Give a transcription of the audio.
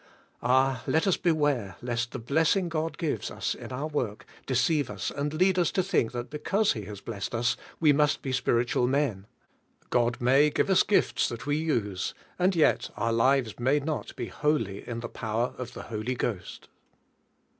Ah, let us beware lest the blessing God gives us in our work deceive us and lead us to think that because he has blessed us, we must be spiritual men. God may give us gifts that we use, and yet our lives may not be wholly in the power of the Holy Ghost.